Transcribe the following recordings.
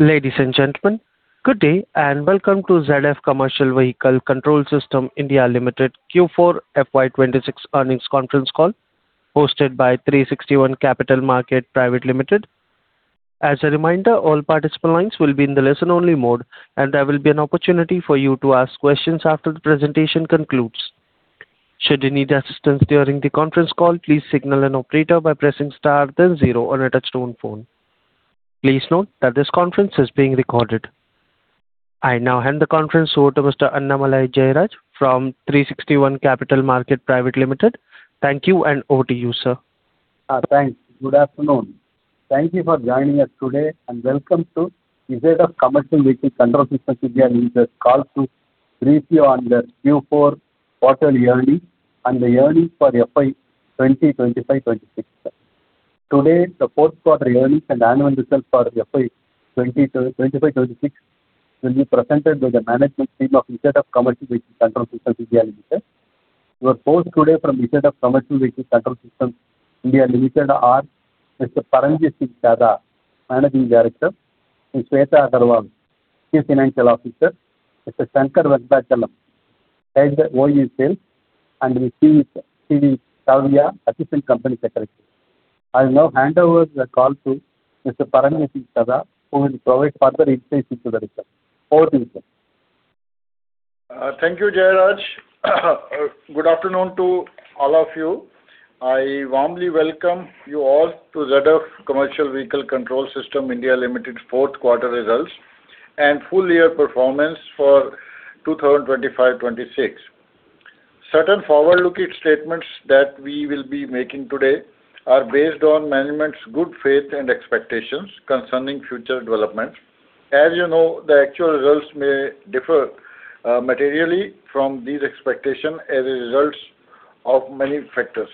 Ladies and gentlemen, good day, and welcome to ZF Commercial Vehicle Control Systems India Limited Q4 FY 2026 earnings conference call hosted by 360 ONE Capital Market Private Limited. As a reminder, all participant lines will be in the listen only mode. There will be an opportunity for you to ask questions after the presentation concludes. Should you need assistance during the conference call, please signal an operator by pressing star then zero on a touch-tone phone. Please note that this conference is being recorded. I now hand the conference over to Mr. Annamalai Jayaraj from 360 ONE Capital Market Private Limited. Thank you, and over to you, sir. Thanks. Good afternoon. Thank you for joining us today, and welcome to ZF Commercial Vehicle Control Systems India Limited call to brief you on the Q4 quarterly earnings and the earnings for FY 2025, 2026. Today, the fourth quarter earnings and annual results for FY 2025, 2026 will be presented by the management team of ZF Commercial Vehicle Control Systems India Limited. Your host today from ZF Commercial Vehicle Control Systems India Limited are Mr. Paramjit Singh Chadha, Managing Director; Ms. Sweta Agarwal, Chief Financial Officer; Mr. Shankar Venkatachalam, Head OE Sales; and Ms. P.V. Savia, Assistant Company Secretary. I will now hand over the call to Mr. Paramjit Singh Chadha who will provide further insights into the results. Over to you, sir. Thank you, Jayaraj. Good afternoon to all of you. I warmly welcome you all to ZF Commercial Vehicle Control Systems India Limited fourth quarter results and full year performance for 2025, 2026. Certain forward-looking statements that we will be making today are based on management's good faith and expectations concerning future developments. As you know, the actual results may differ materially from these expectations as a result of many factors.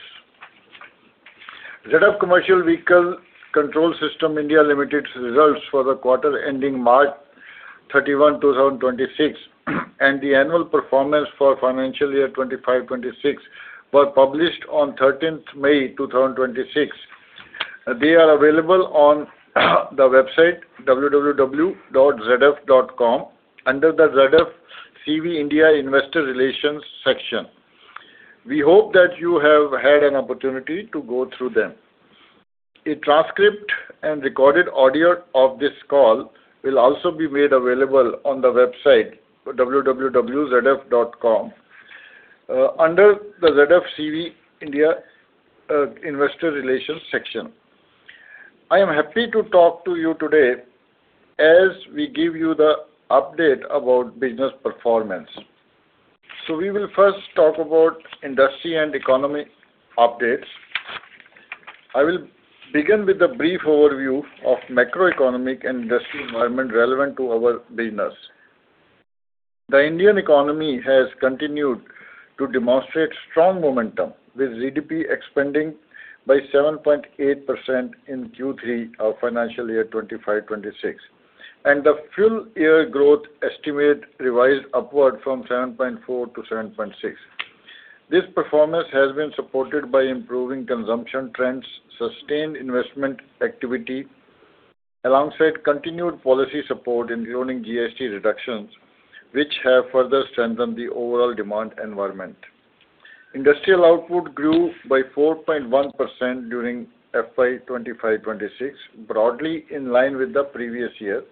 ZF Commercial Vehicle Control Systems India Limited's results for the quarter ending March 31, 2026 and the annual performance for financial year 2025, 2026 were published on 13th May, 2026. They are available on the website www.zf.com under the ZF CV India Investor Relations section. We hope that you have had an opportunity to go through them. A transcript and recorded audio of this call will also be made available on the website www.zf.com, under the ZF CV India, Investor Relations section. I am happy to talk to you today as we give you the update about business performance. We will first talk about industry and economy updates. I will begin with a brief overview of macroeconomic and industry environment relevant to our business. The Indian economy has continued to demonstrate strong momentum, with GDP expanding by 7.8% in Q3 of FY 2025, 2026, and the full year growth estimate revised upward from 7.4% to 7.6%. This performance has been supported by improving consumption trends, sustained investment activity, alongside continued policy support, including GST reductions, which have further strengthened the overall demand environment. Industrial output grew by 4.1% during FY 2025, 2026, broadly in line with the previous year.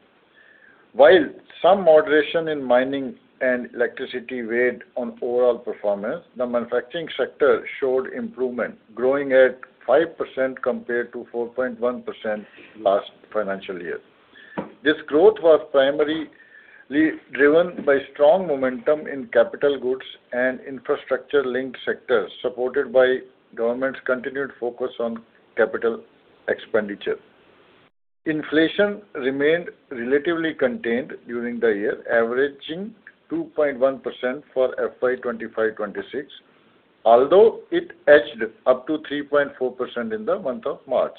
While some moderation in mining and electricity weighed on overall performance, the manufacturing sector showed improvement, growing at 5% compared to 4.1% last financial year. This growth was primarily driven by strong momentum in capital goods and infrastructure linked sectors, supported by government's continued focus on capital expenditure. Inflation remained relatively contained during the year, averaging 2.1% for FY 2025, 2026, although it edged up to 3.4% in the month of March,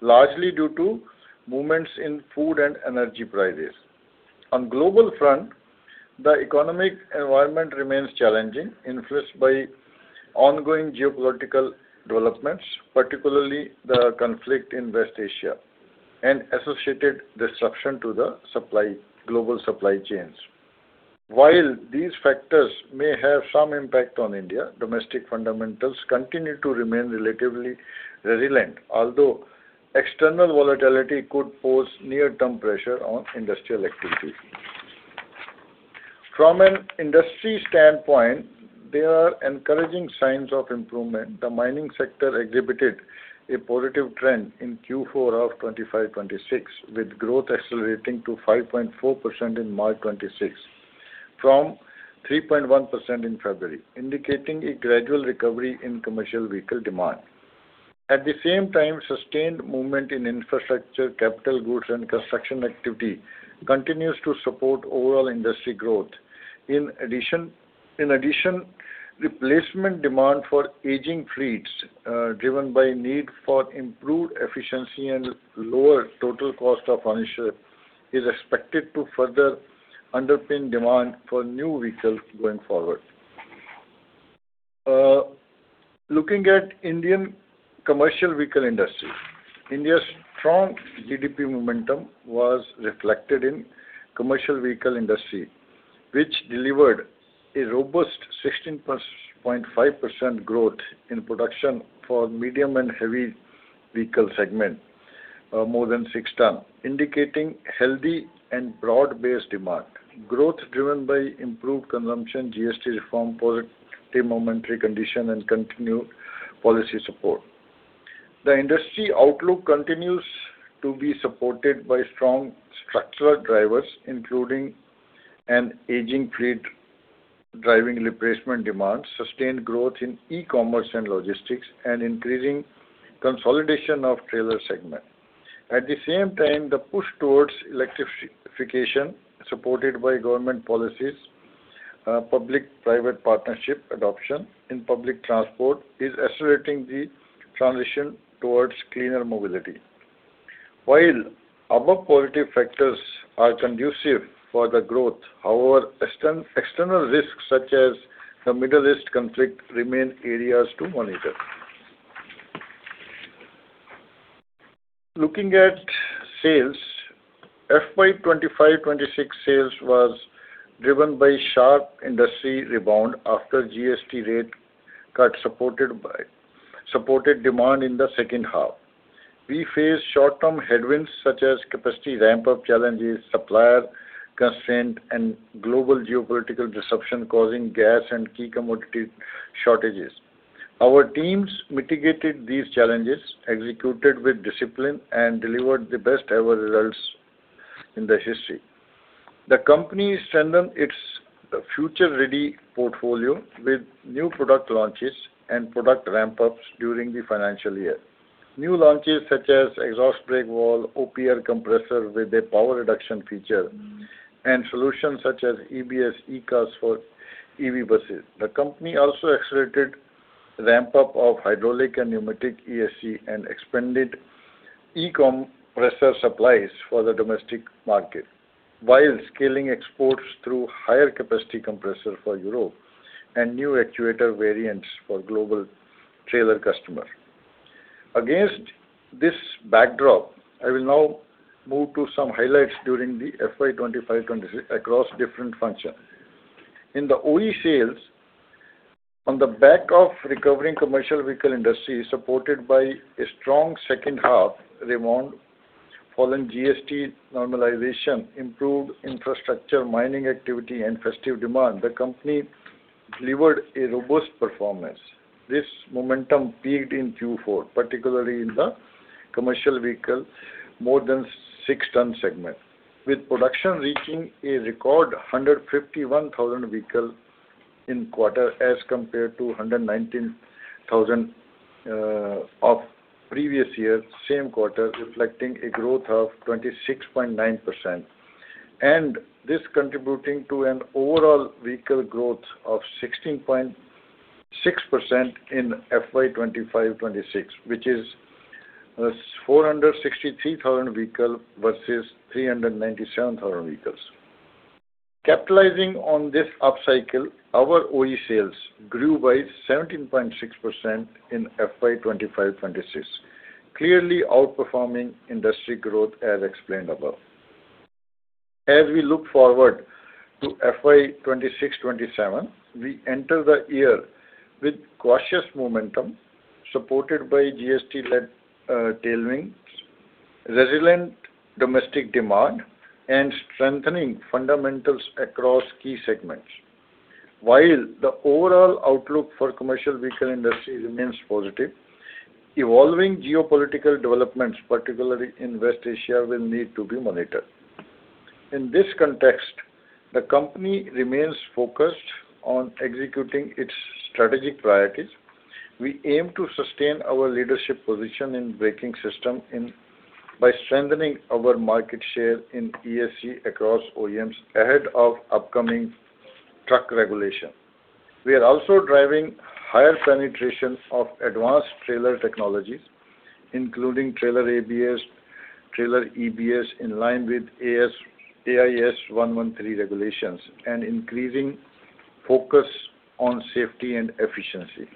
largely due to movements in food and energy prices. On global front, the economic environment remains challenging, influenced by ongoing geopolitical developments, particularly the conflict in West Asia and associated disruption to global supply chains. While these factors may have some impact on India, domestic fundamentals continue to remain relatively resilient, although external volatility could pose near-term pressure on industrial activity. From an industry standpoint, there are encouraging signs of improvement. The mining sector exhibited a positive trend in Q4 of 2025, 2026, with growth accelerating to 5.4% in March 2026 from 3.1% in February, indicating a gradual recovery in commercial vehicle demand. At the same time, sustained movement in infrastructure, capital goods, and construction activity continues to support overall industry growth. In addition, replacement demand for aging fleets, driven by need for improved efficiency and lower total cost of ownership is expected to further underpin demand for new vehicles going forward. Looking at Indian commercial vehicle industry. India's strong GDP momentum was reflected in commercial vehicle industry, which delivered a robust 16.5% growth in production for medium and heavy vehicle segment, more than 6 ton, indicating healthy and broad-based demand. Growth driven by improved consumption, GST reform, positive monetary condition and continued policy support. The industry outlook continues to be supported by strong structural drivers, including an aging fleet driving replacement demand, sustained growth in e-commerce and logistics, and increasing consolidation of trailer segment. At the same time, the push towards electrification, supported by government policies, public-private partnership adoption in public transport, is accelerating the transition towards cleaner mobility. While above positive factors are conducive for the growth, however, external risks such as the Middle East conflict remain areas to monitor. Looking at sales, FY 2025, 2026 sales was driven by sharp industry rebound after GST rate cut, supported demand in the second half. We face short-term headwinds such as capacity ramp-up challenges, supplier constraint, and global geopolitical disruption causing gas and key commodity shortages. Our teams mitigated these challenges, executed with discipline, and delivered the best-ever results in the history. The company strengthened its future-ready portfolio with new product launches and product ramp-ups during the financial year. New launches such as Exhaust Brake Valve, OPR Compressor with a power reduction feature, and solutions such as EBS ECUs for EV buses. The company also accelerated ramp-up of hydraulic and pneumatic ESC and expanded e-compressor supplies for the domestic market, while scaling exports through higher capacity compressor for Europe and new actuator variants for global trailer customer. Against this backdrop, I will now move to some highlights during the FY 2025, 2026 across different functions. In the OE sales, on the back of recovering commercial vehicle industry, supported by a strong second half demand following GST normalization, improved infrastructure mining activity and festive demand, the company delivered a robust performance. This momentum peaked in Q4, particularly in the commercial vehicle more than 6 ton segment, with production reaching a record 151,000 vehicles in quarter as compared to 119,000 of previous year same quarter, reflecting a growth of 26.9%. This contributing to an overall vehicle growth of 16.6% in FY 2025, 2026, which is 463,000 vehicle versus 397,000 vehicles. Capitalizing on this upcycle, our OE sales grew by 17.6% in FY 2025, 2026, clearly outperforming industry growth as explained above. As we look forward to FY 2026, 2027, we enter the year with cautious momentum, supported by GST-led tailwinds, resilient domestic demand, and strengthening fundamentals across key segments. While the overall outlook for commercial vehicle industry remains positive, evolving geopolitical developments, particularly in West Asia, will need to be monitored. In this context, the company remains focused on executing its strategic priorities. We aim to sustain our leadership position in braking system by strengthening our market share in ESC across OEMs ahead of upcoming truck regulation. We are also driving higher penetration of advanced trailer technologies, including trailer ABS, trailer EBS, in line with AIS-113 regulations, and increasing focus on safety and efficiency.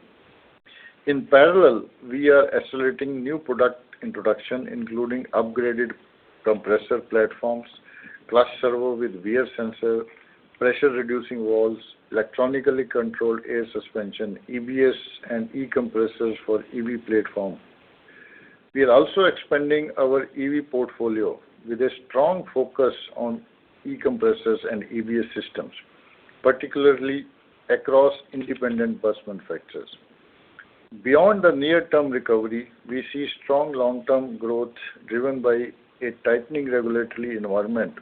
In parallel, we are accelerating new product introduction, including upgraded compressor platforms, clutch servo with wear sensor, pressure-reducing valves, electronically controlled air suspension, EBS and e-compressors for EV platform. We are also expanding our EV portfolio with a strong focus on e-compressors and EBS systems, particularly across independent bus manufacturers. Beyond the near-term recovery, we see strong long-term growth driven by a tightening regulatory environment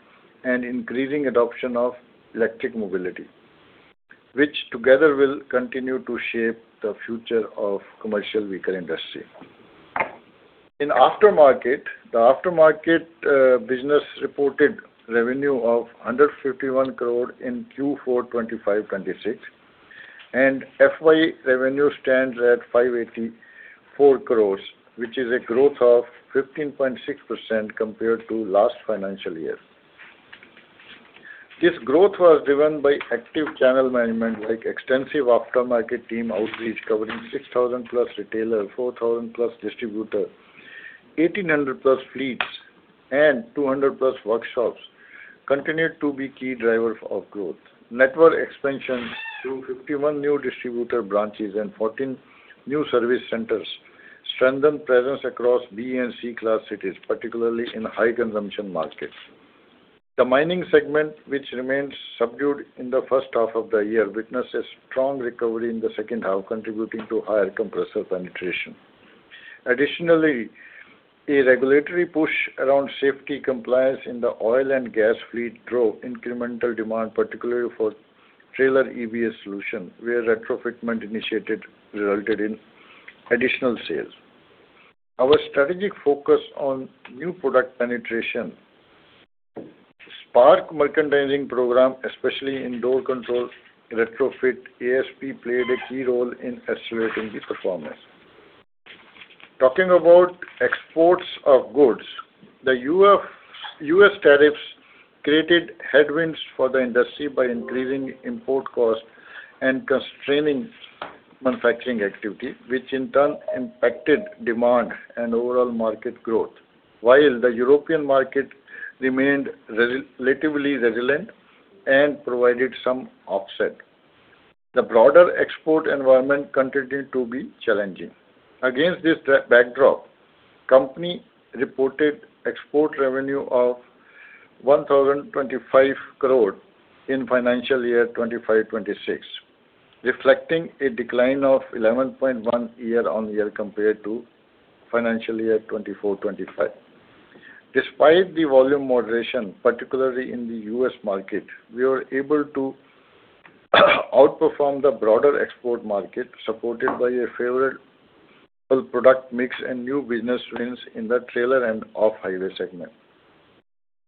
and increasing adoption of electric mobility, which together will continue to shape the future of commercial vehicle industry. In aftermarket, the aftermarket business reported revenue of 151 crore in Q4 2025, 2026, and FY revenue stands at 584 crores, which is a growth of 15.6% compared to last financial year. This growth was driven by active channel management, like extensive aftermarket team outreach covering 6,000+ retailers, 4,000+ distributors, 1,800+ fleets, and 200+ workshops, continued to be key drivers of growth. Network expansion through 51 new distributor branches and 14 new service centers strengthen presence across B and C class cities, particularly in high consumption markets. The mining segment, which remains subdued in the first half of the year, witnesses strong recovery in the second half, contributing to higher compressor penetration. Additionally, a regulatory push around safety compliance in the oil and gas fleet drove incremental demand, particularly for Trailer EBS solution, where retrofitment initiated resulted in additional sales. Our strategic focus on new product penetration, SPARK merchandising program, especially in door control, retrofit ASP played a key role in accelerating the performance. Talking about exports of goods, the U.S. tariffs created headwinds for the industry by increasing import costs and constraining manufacturing activity, which in turn impacted demand and overall market growth. While the European market remained relatively resilient and provided some offset. The broader export environment continued to be challenging. Against this backdrop, company reported export revenue of 1,025 crore in FY 2025, 2026, reflecting a decline of 11.1% year-on-year compared to FY 2024, 2025. Despite the volume moderation, particularly in the U.S. market, we were able to outperform the broader export market, supported by a favorable product mix and new business wins in the trailer and off-highway segment.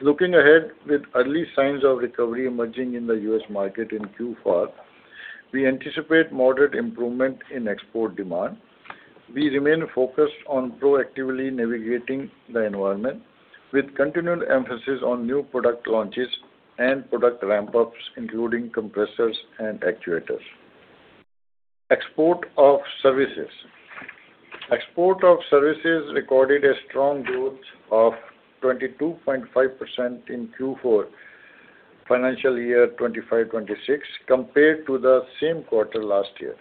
Looking ahead, with early signs of recovery emerging in the U.S. market in Q4, we anticipate moderate improvement in export demand. We remain focused on proactively navigating the environment with continued emphasis on new product launches and product ramp-ups, including compressors and actuators. Export of services. Export of services recorded a strong growth of 22.5% in Q4 financial year 2025, 2026 compared to the same quarter last year.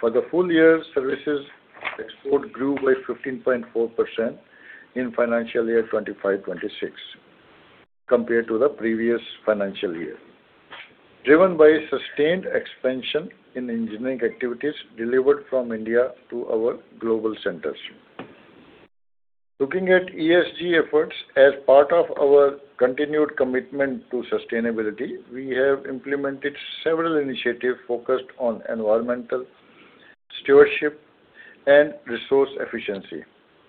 For the full year, services export grew by 15.4% in financial year 2025, 2026 compared to the previous financial year, driven by sustained expansion in engineering activities delivered from India to our global centers. Looking at ESG efforts. As part of our continued commitment to sustainability, we have implemented several initiatives focused on environmental stewardship and resource efficiency.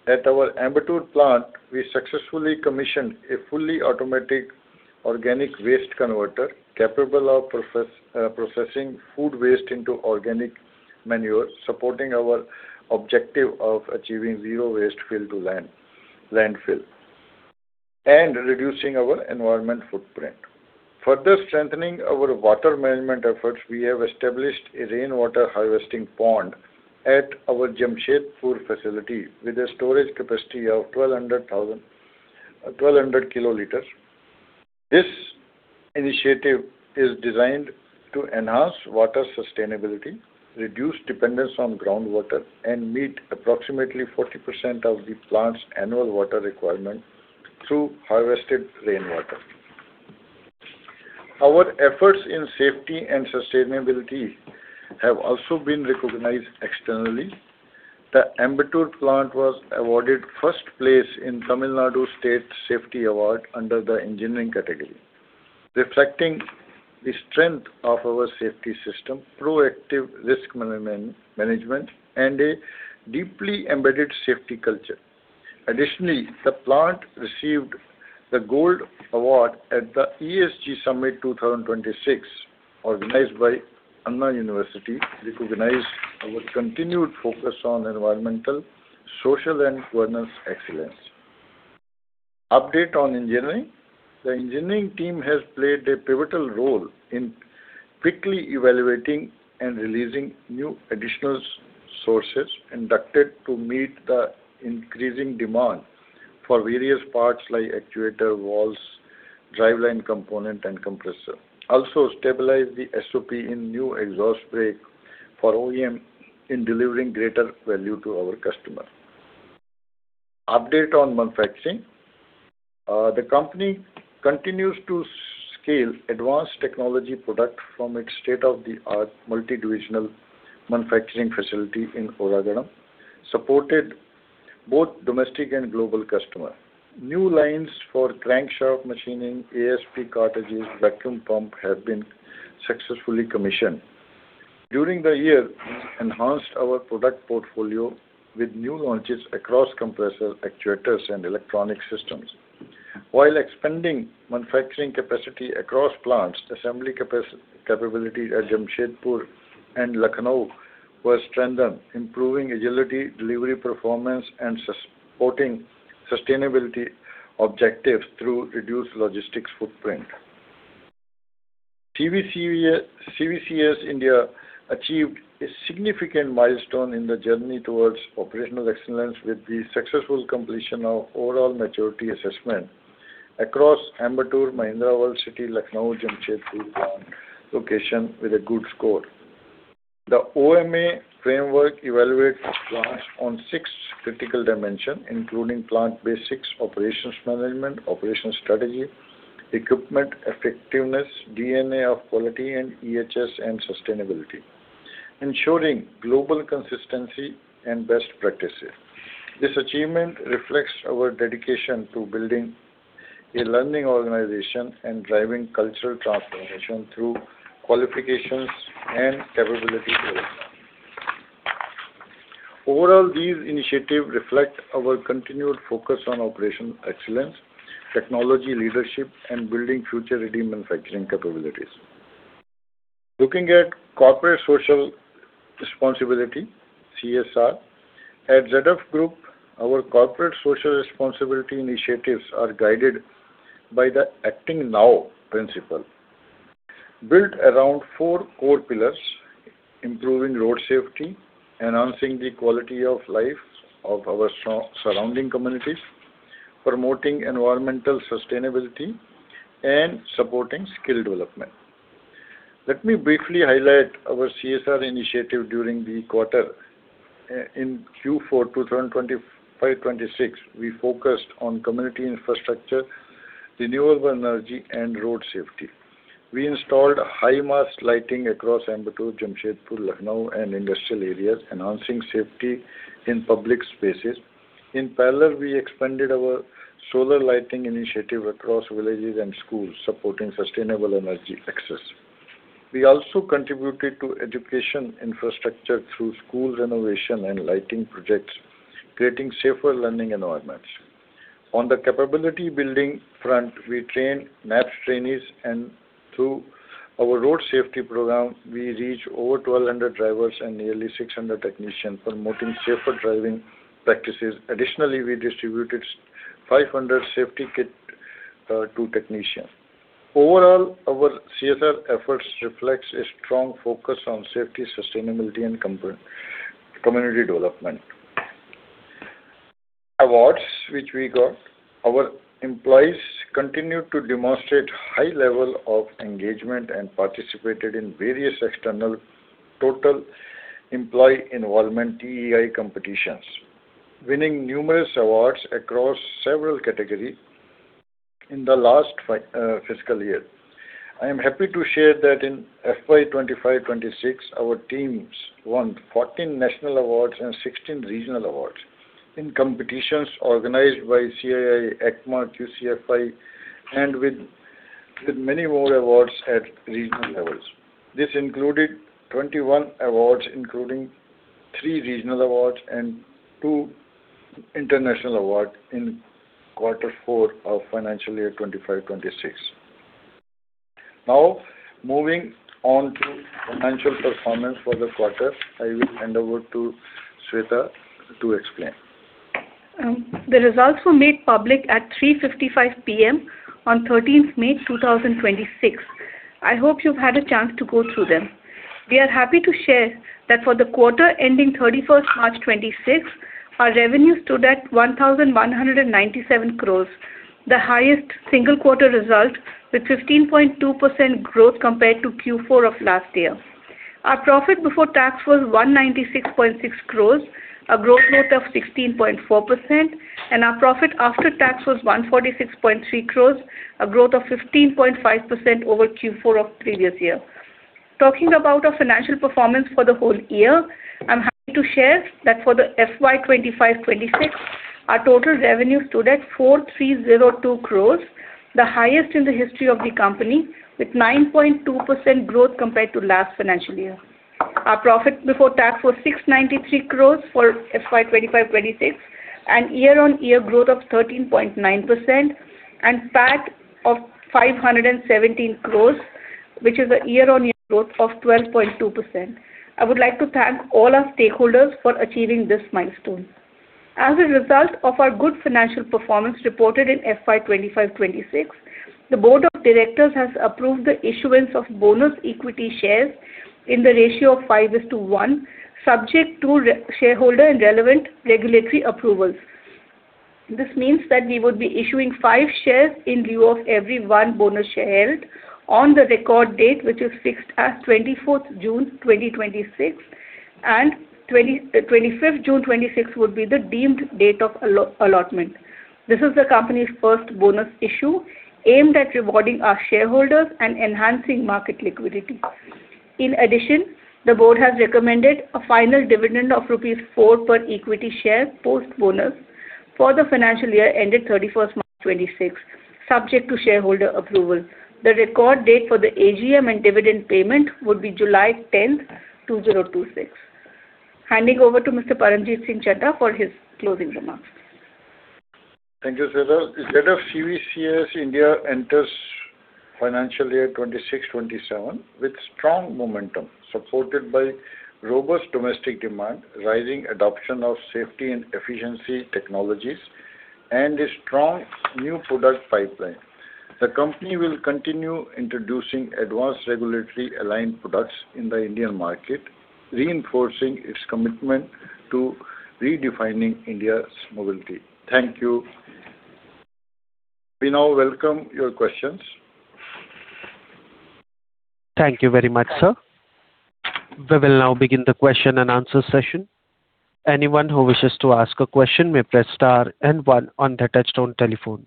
At our Ambattur plant, we successfully commissioned a fully automatic organic waste converter capable of processing food waste into organic manure, supporting our objective of achieving zero waste to landfill, and reducing our environmental footprint. Further strengthening our water management efforts, we have established a rainwater harvesting pond at our Jamshedpur facility with a storage capacity of 1,200 kiloliters. This initiative is designed to enhance water sustainability, reduce dependence on groundwater, and meet approximately 40% of the plant's annual water requirement through harvested rainwater. Our efforts in safety and sustainability have also been recognized externally. The Ambattur plant was awarded first place in Tamil Nadu State Safety Award under the engineering category, reflecting the strength of our safety system, proactive risk management, and a deeply embedded safety culture. Additionally, the plant received the Gold Award at the ESG Summit 2026, organized by Anna University, recognized our continued focus on environmental, social, and governance excellence. Update on engineering. The engineering team has played a pivotal role in quickly evaluating and releasing new additional sources conducted to meet the increasing demand for various parts like actuator, valves, driveline component, and compressor. Stabilize the SOP in new exhaust brake for OEM in delivering greater value to our customer. Update on manufacturing. The company continues to scale advanced technology product from its state-of-the-art multidivisional manufacturing facility in Oragadam, supported both domestic and global customer. New lines for crankshaft machining, ASP cartridges, vacuum pump have been successfully commissioned. During the year, enhanced our product portfolio with new launches across compressor, actuators, and electronic systems. While expanding manufacturing capacity across plants, assembly capability at Jamshedpur and Lucknow was strengthened, improving agility, delivery performance, and supporting sustainability objectives through reduced logistics footprint. ZF Commercial Vehicle Control Systems India achieved a significant milestone in the journey towards operational excellence with the successful completion of Overall Maturity Assessment across Ambattur, Mahindra World City, Lucknow, Jamshedpur location with a good score. The OMA framework evaluates plants on six critical dimensions, including plant basics, operations management, operations strategy, equipment effectiveness, DNA of quality, and EHS and sustainability, ensuring global consistency and best practices. This achievement reflects our dedication to building a learning organization and driving cultural transformation through qualifications and capability building. Overall, these initiatives reflect our continued focus on operational excellence, technology leadership, and building future-ready manufacturing capabilities. Looking at corporate social responsibility, CSR. At ZF Group, our corporate social responsibility initiatives are guided by the Acting Now principle, built around four core pillars: improving road safety, enhancing the quality of life of our surrounding communities, promoting environmental sustainability, and supporting skill development. Let me briefly highlight our CSR initiative during the quarter. In Q4 to turn 2025-2026, we focused on community infrastructure, renewable energy, and road safety. We installed high mast lighting across Ambattur, Jamshedpur, Lucknow, and industrial areas, enhancing safety in public spaces. In parallel, we expanded our solar lighting initiative across villages and schools, supporting sustainable energy access. We also contributed to education infrastructure through schools renovation and lighting projects, creating safer learning environments. On the capability building front, we trained NAPS trainees, and through our road safety program, we reached over 1,200 drivers and nearly 600 technicians, promoting safer driving practices. Additionally, we distributed 500 safety kit to technicians. Overall, our CSR efforts reflects a strong focus on safety, sustainability, and community development. Awards which we got. Our employees continued to demonstrate high level of engagement and participated in various external Total Employee Involvement, TEI, competitions, winning numerous awards across several categories in the last fiscal year. I am happy to share that in FY 2025, 2026, our teams won 14 national awards and 16 regional awards in competitions organized by CII, ACMA, CFI, and with many more awards at regional levels. This included 21 awards, including 3 regional awards and 2 international awards in quarter four of financial year 2025, 2026. Now, moving on to financial performance for the quarter, I will hand over to Sweta to explain. The results were made public at 3:55 P.M. on 13th May, 2026. I hope you've had a chance to go through them. We are happy to share that for the quarter ending 31st March, 2026, our revenue stood at 1,197 crores, the highest single quarter result with 15.2% growth compared to Q4 of last year. Our profit before tax was 196.6 crores, a growth rate of 16.4%. Our profit after tax was 146.3 crores, a growth of 15.5% over Q4 of previous year. Talking about our financial performance for the whole year, I'm happy to share that for the FY 2025, 2026, our total revenue stood at 4,302 crores, the highest in the history of the company, with 9.2% growth compared to last financial year. Our profit before tax was 693 crores for FY 2025, 2026, a year-on-year growth of 13.9%, and PAT of 517 crores, which is a year-on-year growth of 12.2%. I would like to thank all our stakeholders for achieving this milestone. As a result of our good financial performance reported in FY 2025, 2026, the board of directors has approved the issuance of bonus equity shares in the ratio of 5:1, subject to shareholder and relevant regulatory approvals. This means that we would be issuing 5 shares in lieu of every 1 bonus share held on the record date, which is fixed as 24th June, 2026, and 25th June, 2026 would be the deemed date of allotment. This is the company's 1st bonus issue aimed at rewarding our shareholders and enhancing market liquidity. The board has recommended a final dividend of rupees 4 per equity share post bonus for the financial year ended 31st March 2026, subject to shareholder approval. The record date for the AGM and dividend payment would be July 10th, 2026. Handing over to Mr. Paramjit Singh Chadha for his closing remarks. Thank you, Sweta. As CVCS India enters financial year 2026-2027 with strong momentum supported by robust domestic demand, rising adoption of safety and efficiency technologies, and a strong new product pipeline. The company will continue introducing advanced regulatory aligned products in the Indian market, reinforcing its commitment to redefining India's mobility. Thank you. We now welcome your questions. Thank you very much, sir. We will now begin the question and answer session. Anyone who wishes to ask a question may press star and one on their touchtone telephone.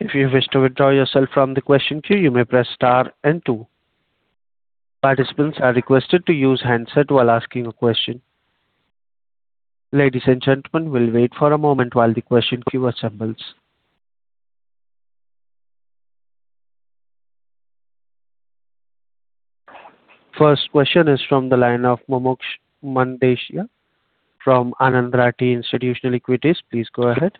If you wish to withdraw yourself from the question queue, you may press star and two. Participants are requested to use handset while asking a question. Ladies and gentlemen, we will wait for a moment while the question queue assembles. First question is from the line of Mumuksh Mandlesha from Anand Rathi Institutional Equities. Please go ahead.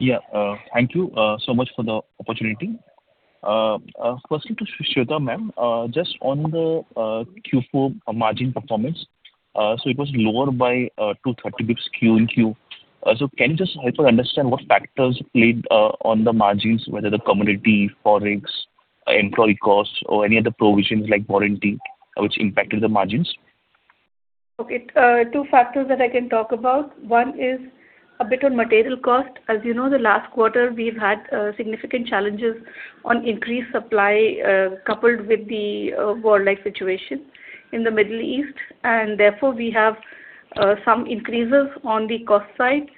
Thank you so much for the opportunity. Firstly to Sweta, ma'am, just on the Q4 margin performance. It was lower by 230 basis points quarter-over-quarter. Can you just help us understand what factors played on the margins, whether the commodity, Forex, employee costs, or any other provisions like warranty which impacted the margins? Okay. Two factors that I can talk about. One is a bit on material cost. As you know, the last quarter we've had significant challenges on increased supply, coupled with the war-like situation in the Middle East. Therefore we have some increases on the cost side.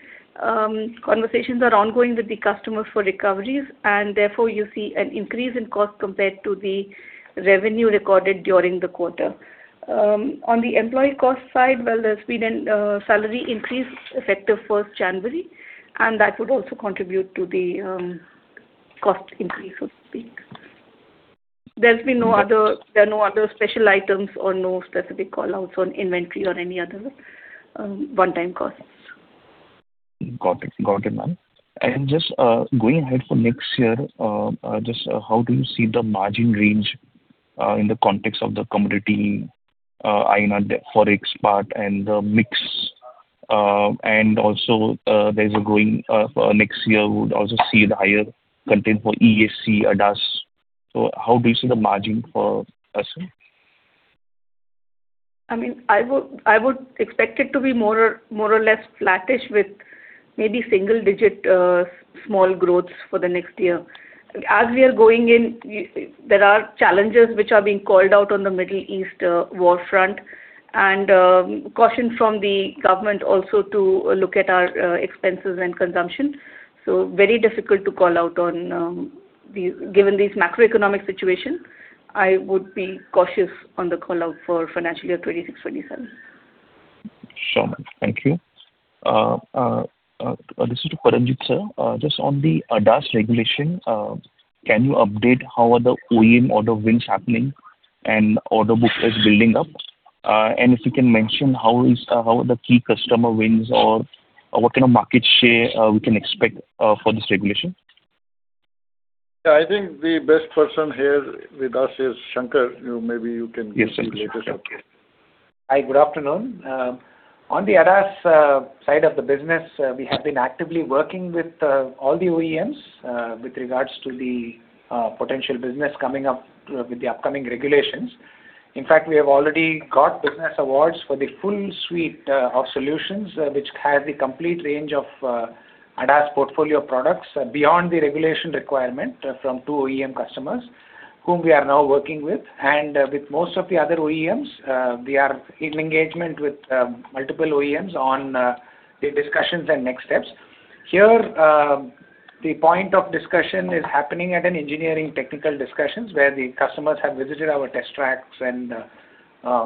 Conversations are ongoing with the customers for recoveries. Therefore you see an increase in cost compared to the revenue recorded during the quarter. On the employee cost side, well, there's been a salary increase effective first January. That would also contribute to the cost increase, so to speak. There are no other special items or no specific call-outs on inventory or any other one-time costs. Got it. Got it, ma'am. Just going ahead for next year, just how do you see the margin range in the context of the commodity, INR, the Forex part and the mix? Also, there's a growing, next year we would also see the higher content for ESC, ADAS. How do you see the margin for us, ma'am? I mean, I would expect it to be more or less flattish with maybe single digit small growth for the next year. As we are going in, there are challenges which are being called out on the Middle East war front and caution from the government also to look at our expenses and consumption. Very difficult to call out on. Given this macroeconomic situation, I would be cautious on the call-out for financial year 2026, 2027. Sure, ma'am. Thank you. This is to Paramjit, sir. Just on the ADAS regulation, can you update how are the OEM order wins happening and order book is building up? If you can mention how are the key customer wins or what kind of market share we can expect for this regulation? Yeah. I think the best person here with us is Shankar. You know, maybe you can give the latest update. Yes, sure, Shankar. Hi, good afternoon. On the ADAS side of the business, we have been actively working with all the OEMs with regards to the potential business coming up with the upcoming regulations. In fact, we have already got business awards for the full suite of solutions which has the complete range of ADAS portfolio products beyond the regulation requirement from two OEM customers whom we are now working with. With most of the other OEMs, we are in engagement with multiple OEMs on the discussions and next steps. Here, the point of discussion is happening at an engineering technical discussions where the customers have visited our test tracks and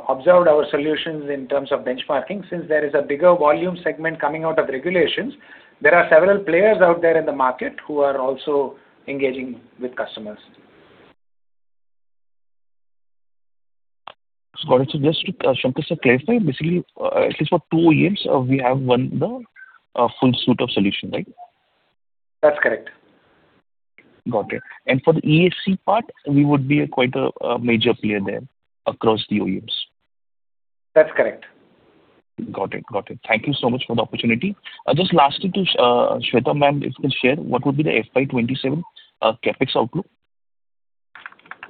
observed our solutions in terms of benchmarking. Since there is a bigger volume segment coming out of regulations, there are several players out there in the market who are also engaging with customers. Got it. Just to, Shankar, sir, clarify, basically, at least for two OEMs, we have won the full suite of solution, right? That's correct. Got it. For the ESC part, we would be quite a major player there across the OEMs. That's correct. Got it. Got it. Thank you so much for the opportunity. Just lastly to Sweta, ma'am, if you can share what would be the FY 2027 CapEx outlook?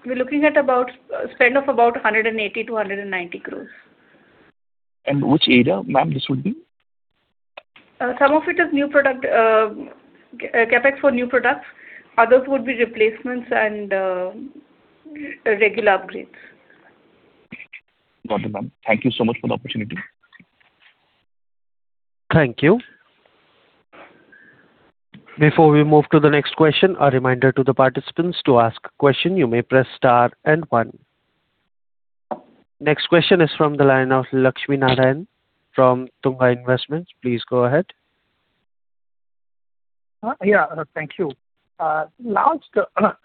We're looking at about spend of about 180 crores-190 crores. Which area, ma'am, this would be? Some of it is new product, CapEx for new products. Others would be replacements and regular upgrades. Got it, ma'am. Thank you so much for the opportunity. Thank you. Before we move to the next question, a reminder to the participants, to ask a question, you may press star and one. Next question is from the line of Lakshminarayanan from Tunga Investments. Please go ahead. Yeah. Thank you. Last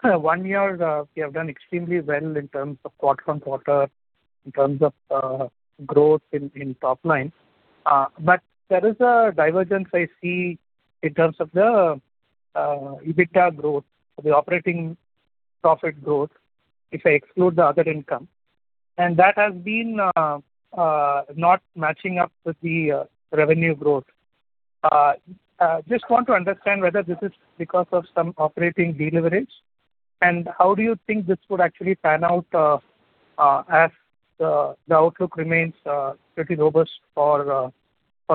one year, you have done extremely well in terms of quarter-on-quarter in terms of growth in top line. There is a divergence I see in terms of the EBITDA growth, the operating profit growth, if I exclude the other income. That has been not matching up with the revenue growth. Just want to understand whether this is because of some operating de-leverage, and how do you think this would actually pan out as the outlook remains pretty robust for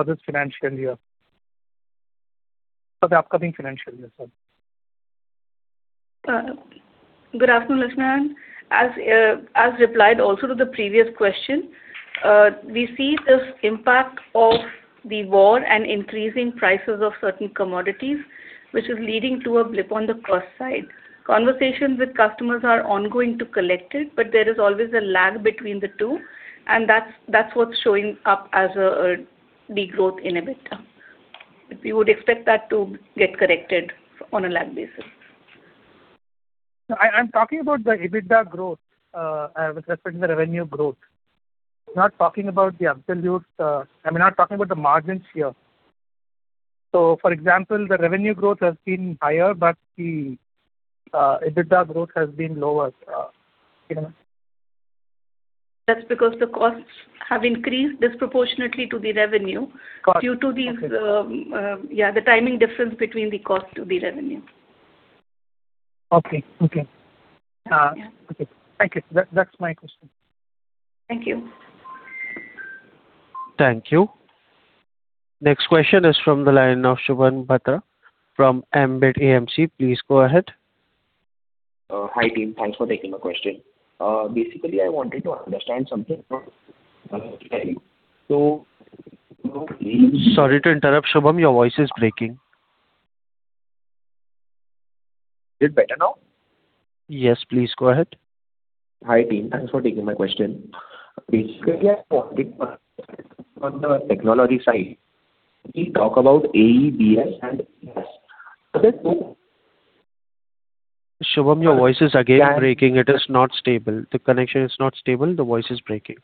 this financial year. For the upcoming financial year, sorry. Good afternoon, Lakshmin. As replied also to the previous question, we see this impact of the war and increasing prices of certain commodities, which is leading to a blip on the cost side. Conversations with customers are ongoing to collect it, there is always a lag between the two, and that's what's showing up as a degrowth in EBITDA. We would expect that to get corrected on a lag basis. No, I'm talking about the EBITDA growth, with respect to the revenue growth. Not talking about the absolute, I mean, I'm not talking about the margins here. For example, the revenue growth has been higher, but the EBITDA growth has been lower, you know. That's because the costs have increased disproportionately to the revenue- Cost. Okay due to these, yeah, the timing difference between the cost to the revenue. Okay. Okay. Yeah. Okay. Thank you. That's my question. Thank you. Thank you. Next question is from the line of Shubham Bhatra from Ambit AMC. Please go ahead. Hi, team. Thanks for taking my question. Basically I wanted to understand something from team. Sorry to interrupt, Shubham. Your voice is breaking. Is it better now? Yes, please go ahead. Hi, team. Thanks for taking my question. Basically, I wanted to understand on the technology side, we talk about AE, BS and ES. Are there no- Shubham, your voice is again breaking. It is not stable. The connection is not stable. The voice is breaking.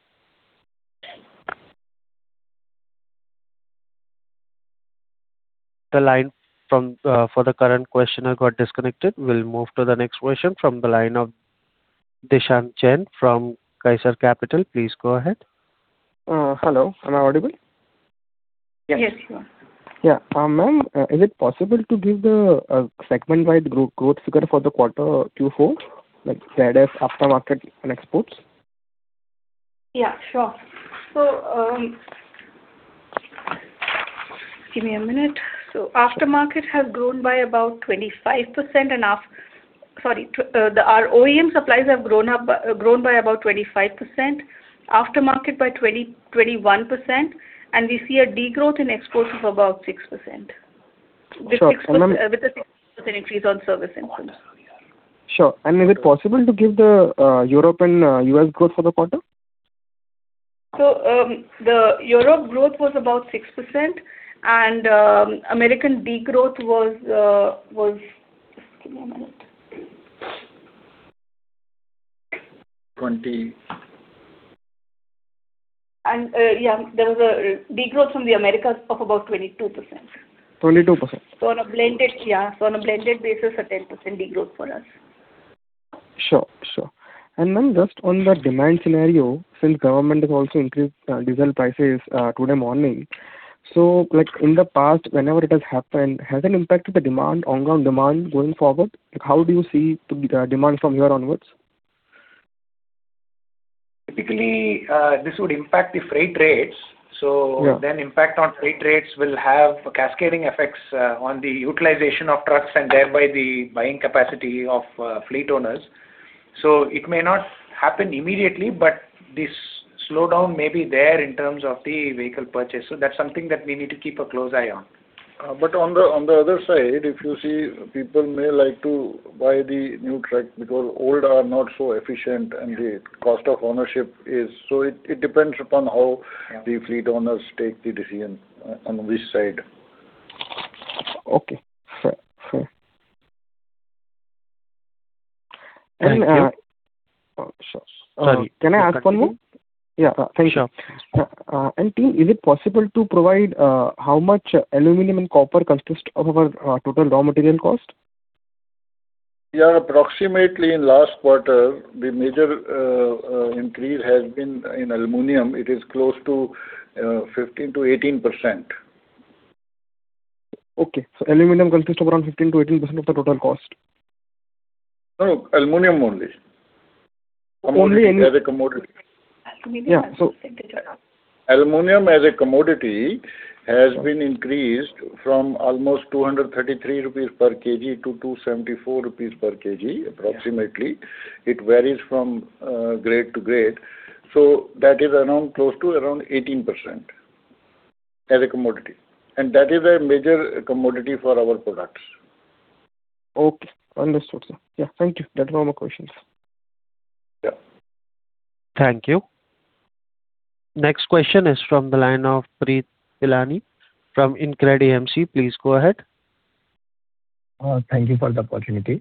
The line from for the current questioner got disconnected. We'll move to the next question from the line of Dishant Jain from Kaizen Capital. Please go ahead. Hello, am I audible? Yes, you are. Yeah. ma'am, is it possible to give the segment-wide growth figure for the quarter Q4, like say as aftermarket and exports? Yeah, sure. Give me a minute. Our OEM supplies have grown by about 25%, aftermarket by 21%, we see a degrowth in exports of about 6%. Sure. With 6%, with a 6% increase on service income. Sure. Is it possible to give the Europe and U.S. growth for the quarter? The Europe growth was about 6% and American degrowth. Just give me a minute. 20. Yeah, there was a degrowth from the Americas of about 22%. 22%. On a blended basis, a 10% degrowth for us. Sure. Sure. Ma'am, just on the demand scenario, since government has also increased diesel prices today morning. Like in the past, whenever it has happened, has it impacted the demand, onground demand going forward? Like how do you see the demand from here onwards? Typically, this would impact the freight rates. Yeah. Impact on freight rates will have cascading effects on the utilization of trucks and thereby the buying capacity of fleet owners. It may not happen immediately, but this slowdown may be there in terms of the vehicle purchase. That's something that we need to keep a close eye on. On the other side, if you see, people may like to buy the new truck because old are not so efficient, and the cost of ownership is it depends upon how-. Yeah. The fleet owners take the decision on which side. Okay. Sure. Sure. Thank you. And, uh- Sorry. Can I ask one more? Yeah. Thank you. Sure. Team, is it possible to provide, how much aluminum and copper consist of our total raw material cost? Approximately in last quarter, the major increase has been in aluminum. It is close to 15%-18%. Okay. Aluminum consists of around 15%-18% of the total cost. No, aluminum only. Only in- Aluminum as a commodity. Aluminum as a commodity, sir. Aluminum as a commodity has been increased from almost 233 rupees per kg to 274 rupees per kg, approximately. Yeah. It varies from grade to grade. That is around, close to around 18% as a commodity. That is a major commodity for our products. Okay. Understood, sir. Yeah. Thank you. That is all my questions. Yeah. Thank you. Next question is from the line of Preet Pitani from InCred AMC. Please go ahead. Thank you for the opportunity.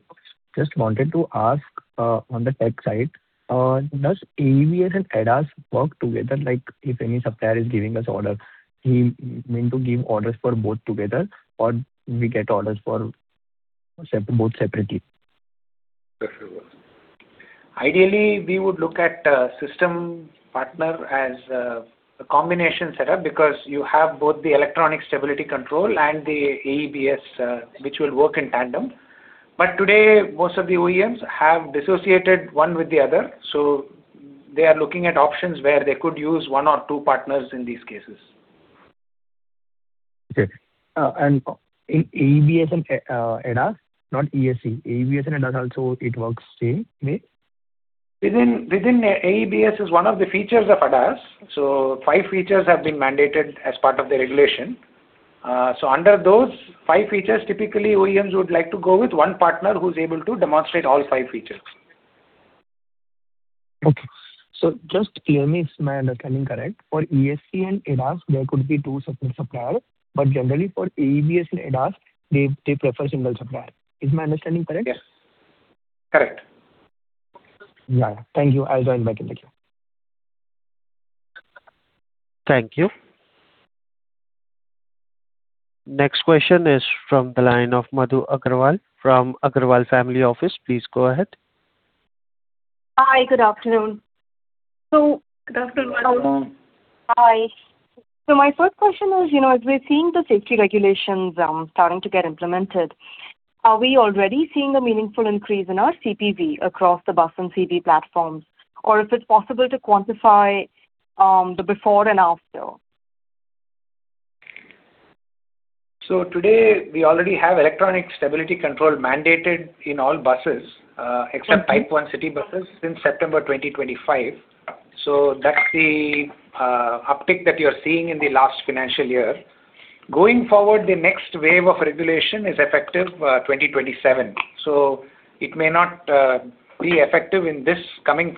Just wanted to ask, on the tech side, does AEBS and ADAS work together? Like, if any supplier is giving us order, he mean to give orders for both together, or we get orders for both separately? Ideally, we would look at a system partner as a combination setup, because you have both the electronic stability control and the AEBS, which will work in tandem. Today, most of the OEMs have dissociated one with the other. They are looking at options where they could use one or two partners in these cases. Okay. In AEBS and ADAS, not ESC. AEBS and ADAS also it works same way? Within, AEBS is one of the features of ADAS. Five features have been mandated as part of the regulation. Under those five features, typically OEMs would like to go with one partner who's able to demonstrate all five features. Just clear me, is my understanding correct? For ESC and ADAS, there could be two supplier, but generally for AEBS and ADAS, they prefer single supplier. Is my understanding correct, yeah? Correct. Yeah. Thank you. I'll join back in the queue. Thank you. Next question is from the line of Madhu Agarwal from Agarwal Family Office. Please go ahead. Hi, good afternoon. Good afternoon. Hi. My first question is, you know, as we're seeing the safety regulations, starting to get implemented, are we already seeing a meaningful increase in our CPV across the bus and CV platforms? Or if it's possible to quantify the before and after? Today, we already have Electronic Stability Control mandated in all buses. September? Except type 1 city buses, since September 2025. That's the uptick that you're seeing in the last financial year. Going forward, the next wave of regulation is effective 2027. It may not be effective in this coming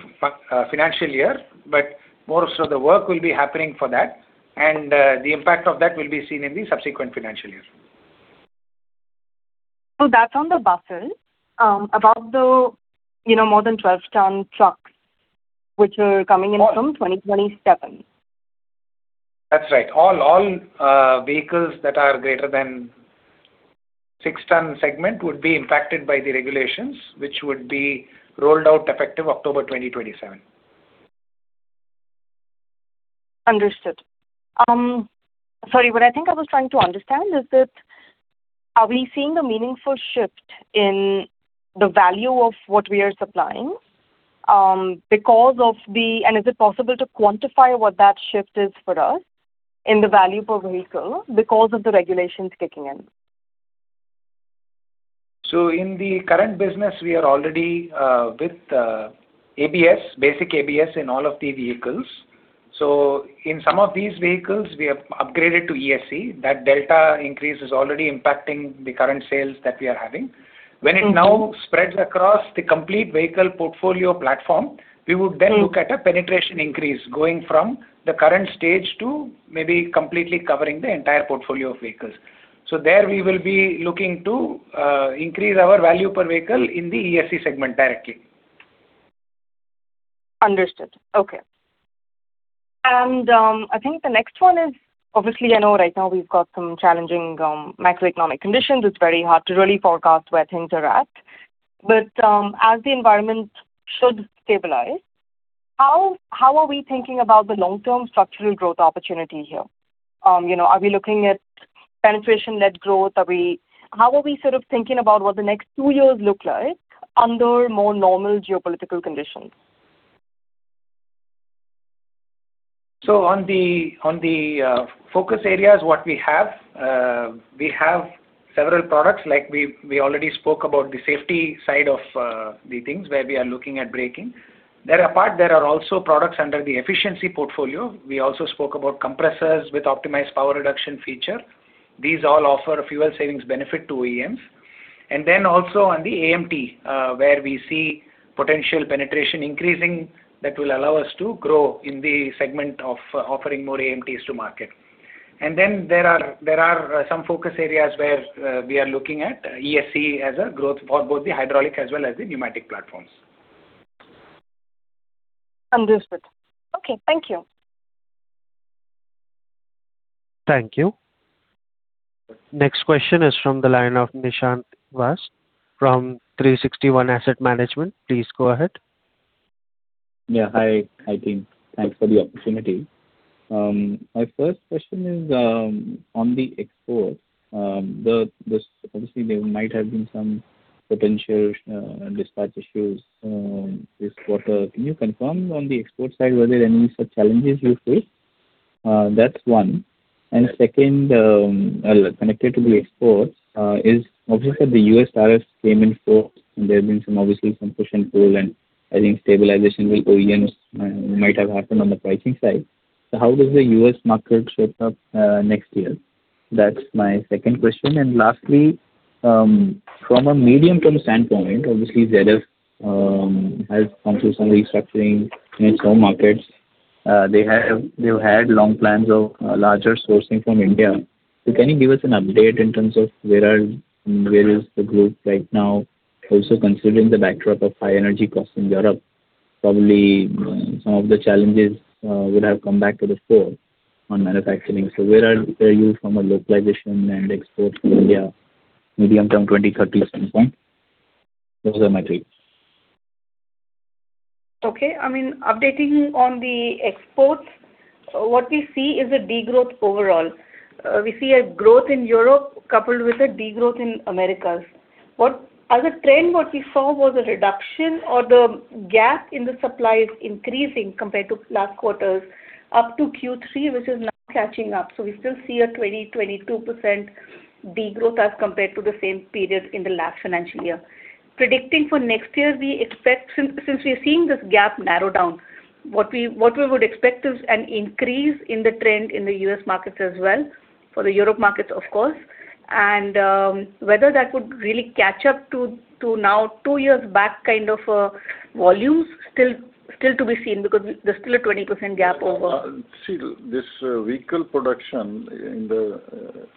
financial year, but more so the work will be happening for that and the impact of that will be seen in the subsequent financial year. That's on the buses. About the, you know, more than 12 ton trucks, which are coming in from 2027. That's right. All vehicles that are greater than 6 ton segment would be impacted by the regulations, which would be rolled out effective October 2027. Understood. Sorry, what I think I was trying to understand is that, are we seeing a meaningful shift in the value of what we are supplying? Is it possible to quantify what that shift is for us in the value per vehicle because of the regulations kicking in? In the current business, we are already with ABS, basic ABS, in all of the vehicles. In some of these vehicles, we have upgraded to ESC. That delta increase is already impacting the current sales that we are having. When it now spreads across the complete vehicle portfolio platform, we would then. -look at a penetration increase going from the current stage to maybe completely covering the entire portfolio of vehicles. There we will be looking to increase our value per vehicle in the ESC segment directly. Understood. Okay. I think the next one is, obviously I know right now we've got some challenging macroeconomic conditions. It's very hard to really forecast where things are at. As the environment should stabilize, how are we thinking about the long-term structural growth opportunity here? You know, are we looking at penetration-led growth? How are we sort of thinking about what the next two years look like under more normal geopolitical conditions? On the focus areas, what we have, we have several products, like we already spoke about the safety side of the things, where we are looking at braking. Apart, there are also products under the efficiency portfolio. We also spoke about compressors with optimized power reduction feature. These all offer a fuel savings benefit to OEMs. Also on the AMT, where we see potential penetration increasing, that will allow us to grow in the segment of offering more AMTs to market. There are some focus areas where we are looking at ESC as a growth for both the hydraulic as well as the pneumatic platforms. Understood. Okay. Thank you. Thank you. Next question is from the line of Nishant Vass from 360 ONE Asset Management. Please go ahead. Hi. Hi, team. Thanks for the opportunity. My first question is on the export, obviously, there might have been some potential dispatch issues this quarter. Can you confirm on the export side, were there any such challenges you faced? That's one. Second, connected to the export, is obviously the U.S. tariffs came in force and there have been some, obviously some push and pull, and I think stabilization with OEMs might have happened on the pricing side. How does the U.S. market shape up next year? That's my second question. Lastly, from a medium-term standpoint, obviously ZF has gone through some restructuring in its home markets. They've had long plans of larger sourcing from India. Can you give us an update in terms of where is the group right now? Also considering the backdrop of high energy costs in Europe, probably, some of the challenges would have come back to the fore on manufacturing. Where are you from a localization and export from India medium-term 2030 at some point? Those are my three. Okay. I mean, updating on the exports, what we see is a degrowth overall. We see a growth in Europe coupled with a degrowth in Americas. As a trend, what we saw was a reduction or the gap in the supply is increasing compared to last quarters up to Q3, which is now catching up. We still see a 22% degrowth as compared to the same period in the last financial year. Predicting for next year, we expect since we are seeing this gap narrow down, what we would expect is an increase in the trend in the U.S. markets as well, for the Europe markets of course. Whether that would really catch up to now two years back kind of volumes still to be seen because there's still a 20% gap over. See this, vehicle production in the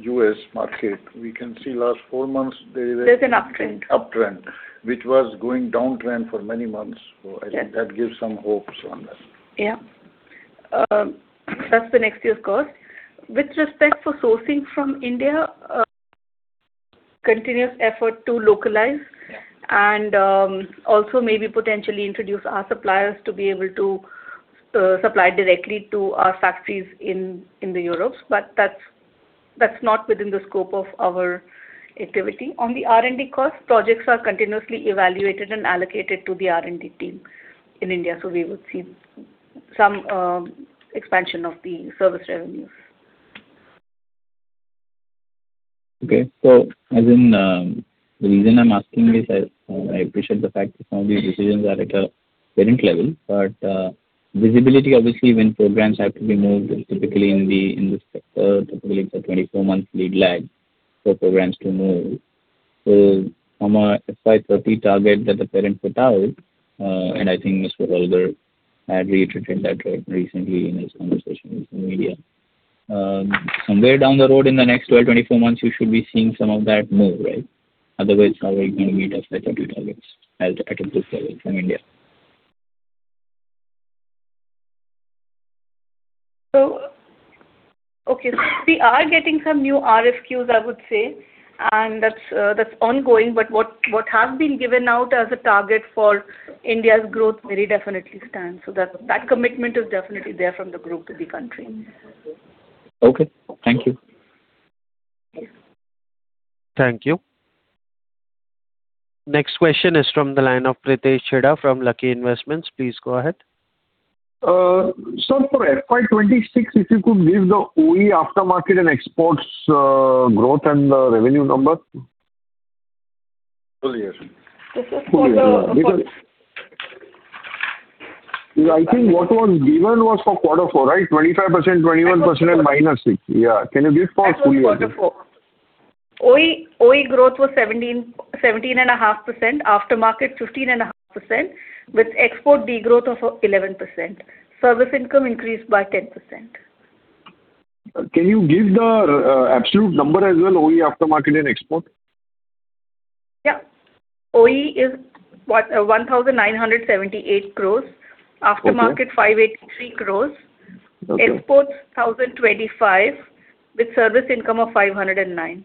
U.S. market, we can see last four months there is. There's an uptrend. Uptrend, which was going downtrend for many months. I think that gives some hopes on this. Yeah. That's the next year's cost. With respect for sourcing from India, continuous effort to localize and also maybe potentially introduce our suppliers to be able to supply directly to our factories in Europe. That's not within the scope of our activity. On the R&D cost, projects are continuously evaluated and allocated to the R&D team in India. We would see some expansion of the service revenues. Okay. As in, the reason I'm asking is I appreciate the fact that some of these decisions are at a parent level, but visibility obviously when programs have to be moved, typically in the, in this sector, typically it's a 24-month lead lag for programs to move. From a FY 2030 target that the parent put out, and I think Mr. Holger had reiterated that recently in his conversation with the media. Somewhere down the road in the next 12, 24 months, you should be seeing some of that move, right? Otherwise, how are you gonna meet FY 2030 targets at this level from India? Okay. We are getting some new RFQs, I would say, and that's ongoing. What has been given out as a target for India's growth very definitely stands. That commitment is definitely there from the group to the country. Okay. Thank you. Yes. Thank you. Next question is from the line of Pritesh Chheda from Lucky Investments. Please go ahead. For FY 2026, if you could give the OE aftermarket and exports, growth and the revenue number. Full year. This is for the- I think what was given was for quarter four, right? 25%, 21% -6. Yeah. Can you give for full year? That was quarter four. OE growth was 17.5%. Aftermarket, 15.5% with export degrowth of 11%. Service income increased by 10%. Can you give the absolute number as well, OE aftermarket and export? Yeah. OE is INR 1,978 crores. Okay. Aftermarket, 583 crores. Okay. Exports, 1,025, with service income of 509.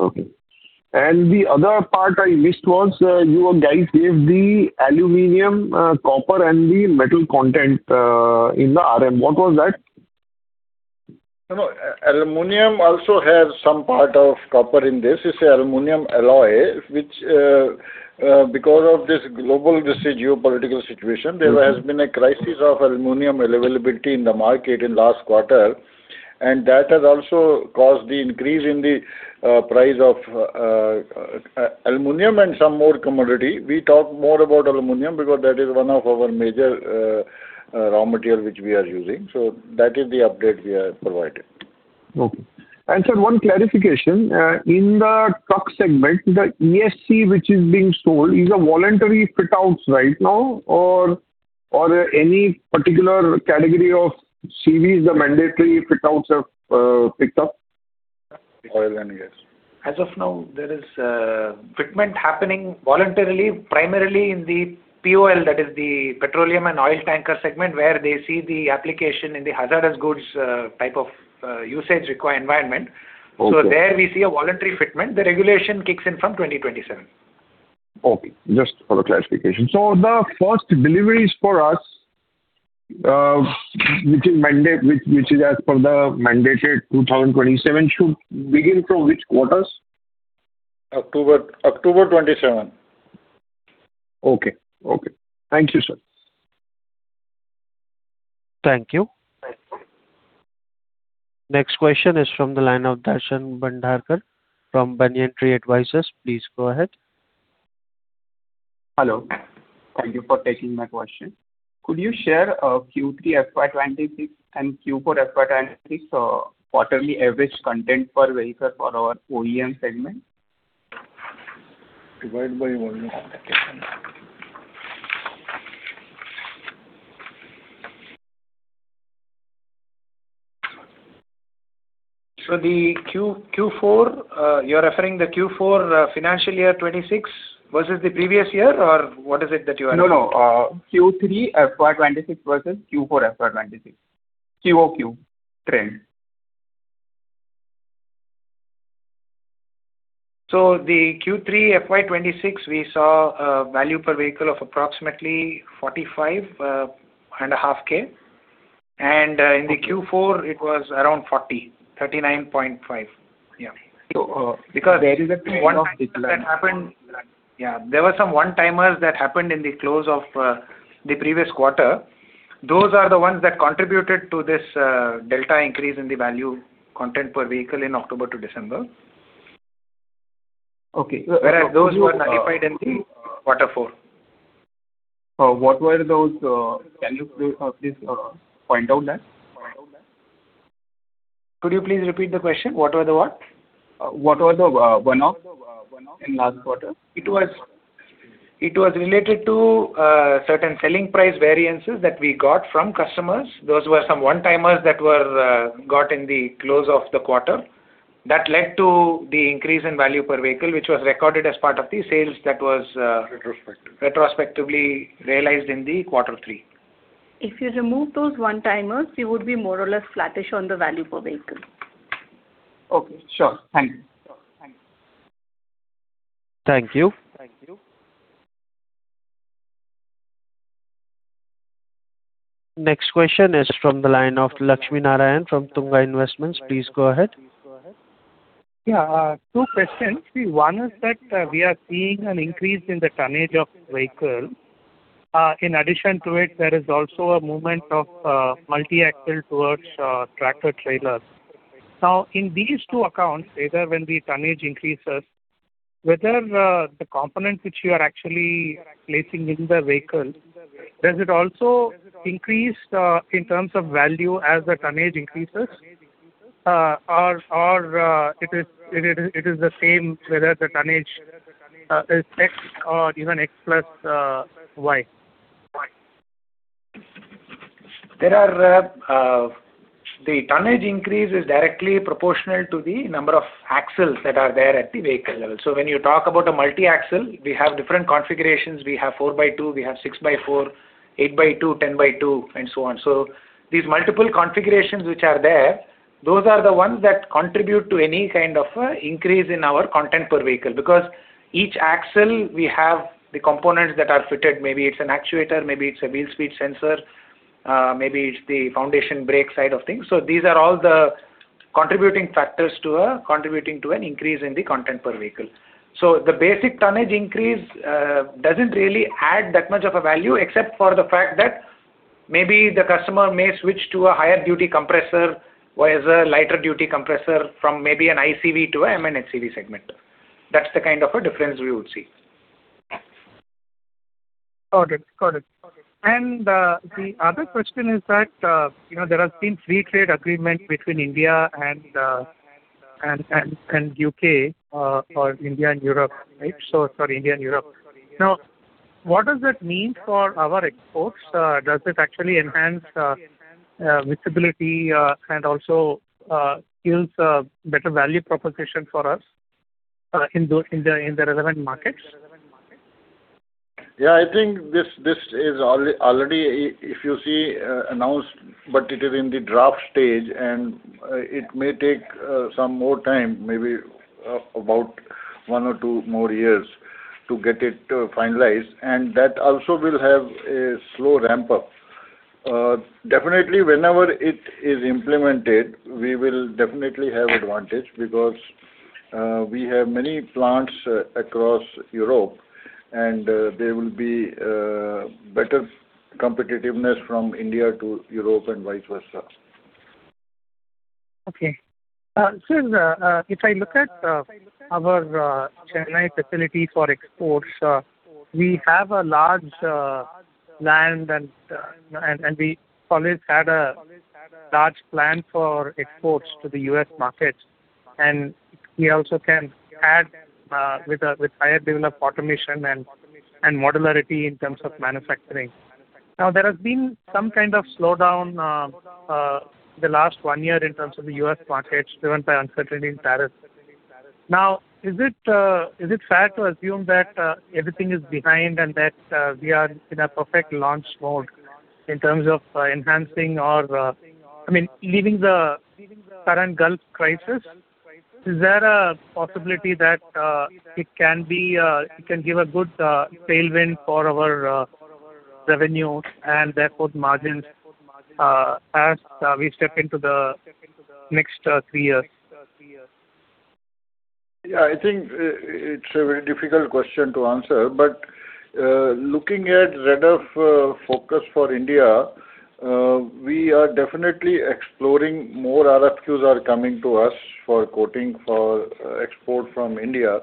Okay. The other part I missed was, you guys gave the aluminum, copper and the metal content in the RM. What was that? No, aluminum also has some part of copper in this. It's a aluminum alloy, which because of this global, this geopolitical situation, there has been a crisis of aluminum availability in the market in last quarter. That has also caused the increase in the price of aluminum and some more commodity. We talk more about aluminum because that is one of our major raw material which we are using. That is the update we have provided. Okay. Sir, one clarification. In the truck segment, the ESC which is being sold is a voluntary fit outs right now or any particular category of CVs, the mandatory fit outs have picked up? Oil and gas? As of now, there is fitment happening voluntarily, primarily in the POL, that is the petroleum and oil tanker segment, where they see the application in the hazardous goods, type of usage require environment. Okay. There we see a voluntary fitment. The regulation kicks in from 2027. Okay. Just for a clarification. The first deliveries for us, which is mandate, which is as per the mandated 2027 should begin from which quarters? October 2027. Okay. Okay. Thank you, sir. Thank you. Next question is from the line of Darshan Bhandarkar from Banyan Tree Advisors. Please go ahead. Hello. Thank you for taking my question. Could you share Q3 FY 2026 and Q4 FY 2026 quarterly average content per vehicle for our OEM segment? Divided by volume. The Q4, you're referring the Q4, financial year 2026 versus the previous year, or what is it that you are referring? No, no. Q3 FY 2026 versus Q4 FY 2026. QoQ trend. The Q3 FY 2026, we saw a value per vehicle of approximately 45.5 thousand. In the Q4, it was around 40 thousand, 39.5 thousand. So, uh- one-time that happened. There is a trend of decline. Yeah. There were some one-timers that happened in the close of the previous quarter. Those are the ones that contributed to this delta increase in the value content per vehicle in October to December. Okay. you. Whereas those were nullified in the quarter four. What were those? Can you please point out that? Could you please repeat the question? What were the what? What were the one-off in last quarter? It was related to certain selling price variances that we got from customers. Those were some one-timers that were got in the close of the quarter. That led to the increase in value per vehicle, which was recorded as part of the sales that was. Retrospectively retrospectively realized in the quarter 3. If you remove those one-timers, we would be more or less flattish on the value per vehicle. Okay. Sure. Thank you. Thank you. Next question is from the line of Lakshminarayanan from Tunga Investments. Please go ahead. Yeah. Two questions. One is that, we are seeing an increase in the tonnage of vehicle. In addition to it, there is also a movement of multi-axle towards tractor-trailers. In these two accounts, whether when the tonnage increases, whether the components which you are actually placing in the vehicle, does it also increase in terms of value as the tonnage increases? It is the same whether the tonnage is X or even X+Y? There are, the tonnage increase is directly proportional to the number of axles that are there at the vehicle level. When you talk about a multi-axle, we have different configurations. We have 4x2, we have 6x4, 8x2, 10x2, and so on. These multiple configurations which are there, those are the ones that contribute to any kind of increase in our content per vehicle. Because each axle, we have the components that are fitted, maybe it's an actuator, maybe it's a wheel speed sensor, maybe it's the foundation brake side of things. These are all the contributing factors contributing to an increase in the content per vehicle. The basic tonnage increase doesn't really add that much of a value, except for the fact that maybe the customer may switch to a higher duty compressor versus a lighter duty compressor from maybe an ICV to an M&HCV segment. That's the kind of a difference we would see. Got it. Got it. The other question is that, you know, there has been free trade agreement between India and U.K., or India and Europe, right? Sorry, India and Europe. What does that mean for our exports? Does it actually enhance visibility and also yields a better value proposition for us in the relevant markets? Yeah, I think this is already, if you see, announced, but it is in the draft stage, it may take some more time, maybe about one or two more years to get it finalized. That also will have a slow ramp-up. Definitely whenever it is implemented, we will definitely have advantage because we have many plants across Europe and there will be better competitiveness from India to Europe and vice versa. Okay. sir, the, if I look at, our, Chennai facility for exports, we have a large, land and we always had a large plan for exports to the U.S. market, and we also can add, with a, with higher developed automation and modularity in terms of manufacturing. There has been some kind of slowdown, the last one year in terms of the U.S. market driven by uncertainty in tariffs. Now, is it fair to assume that everything is behind and that we are in a perfect launch mode in terms of enhancing or, I mean, leaving the current Gulf crisis, is there a possibility that it can be, it can give a good tailwind for our revenue and therefore margins, as we step into the next three years? Yeah. I think it's a very difficult question to answer. Looking at Rediff focus for India, we are definitely exploring, more RFQs are coming to us for quoting for export from India.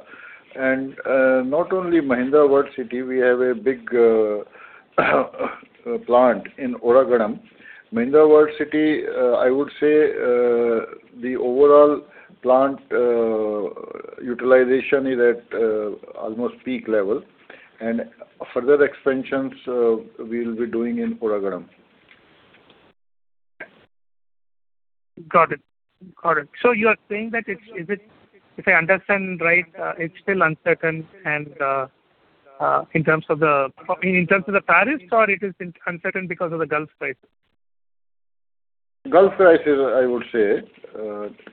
Not only Mahindra World City, we have a big plant in Oragadam Mahindra World City, I would say the overall plant utilization is at almost peak level. Further expansions, we'll be doing in Kodungaiyur. Got it. You are saying that Is it, if I understand right, it's still uncertain and in terms of the tariffs, or it is uncertain because of the Gulf crisis? Gulf crisis, I would say.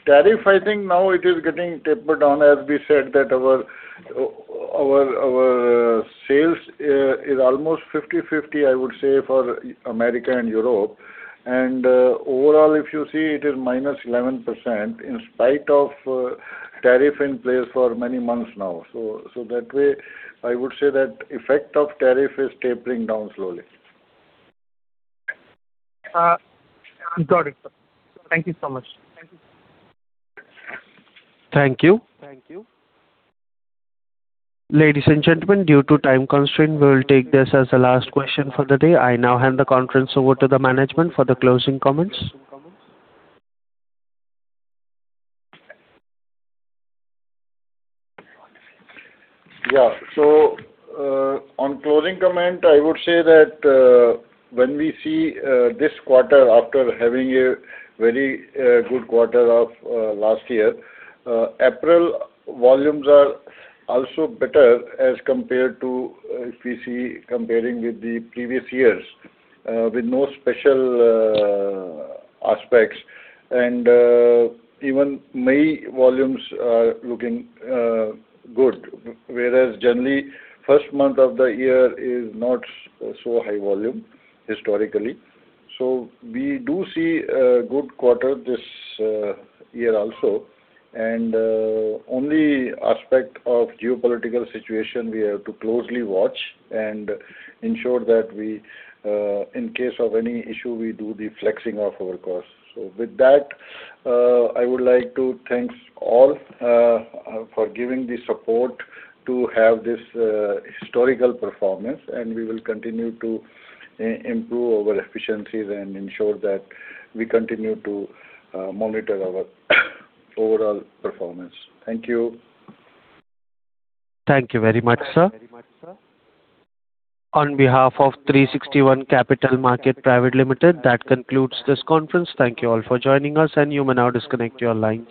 Tariff, I think now it is getting tapered down. As we said that our, our sales is almost 50/50, I would say, for America and Europe. Overall, if you see, it is minus 11% in spite of tariff in place for many months now. That way, I would say that effect of tariff is tapering down slowly. Got it. Thank you so much. Thank you. Ladies and gentlemen, due to time constraint, we will take this as the last question for the day. I now hand the conference over to the management for the closing comments. Yeah. On closing comment, I would say that when we see this quarter after having a very good quarter of last year, April volumes are also better as compared to if we see comparing with the previous years, with no special aspects. Even May volumes are looking good. Whereas generally, first month of the year is not so high volume historically. We do see a good quarter this year also. Only aspect of geopolitical situation we have to closely watch and ensure that we in case of any issue, we do the flexing of our costs. With that, I would like to thank all for giving the support to have this historical performance. We will continue to improve our efficiencies and ensure that we continue to monitor our overall performance. Thank you. Thank you very much, sir. On behalf of 360 ONE Capital Market Private Limited, that concludes this conference. Thank you all for joining us, and you may now disconnect your line.